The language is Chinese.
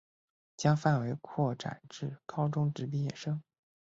将范围拓展至高中职毕业生